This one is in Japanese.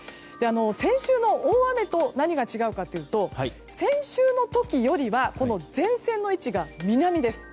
先週の大雨と何が違うかというと先週の時よりは前線の位置が南です。